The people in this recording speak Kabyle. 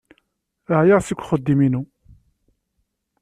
Ɛyiɣ seg uxeddim-inu.